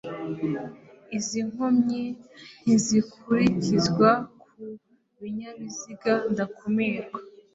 izi nkomyi ntizikurikizwa ku binyabiziga ndakumirwa